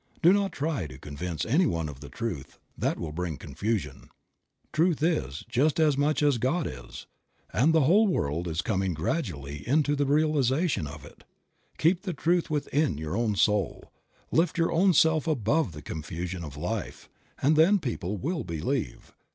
Do not try to convince any one of the truth; that will bring confusion. Truth is, just as much as God is; and the whole world is coming gradually into the realization of it. Keep the truth within your own soul, lift your own self above the confusion of life, and then people will believe.